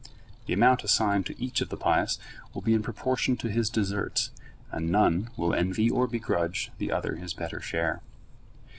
The amount assigned to each of the pious will be in proportion to his deserts, and none will envy or begrudge the other his better share.